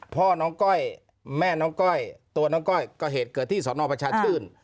พ่อน้องก้อยแม่น้องก้อยตัวน้องก้อยก็เหตุเกิดที่สนประชาชื่น